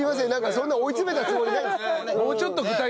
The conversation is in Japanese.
そんな追い詰めたつもりないんです。